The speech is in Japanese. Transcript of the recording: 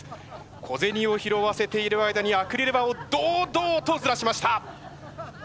小銭を拾わせている間にアクリル板を堂々とずらしました。